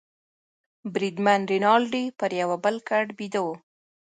بریدمن رینالډي پر یوه بل کټ بیده وو.